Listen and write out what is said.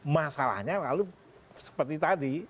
masalahnya lalu seperti tadi